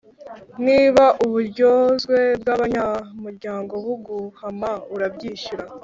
Niba uburyozwe bw’abanyamuryango buguhama urabwishyura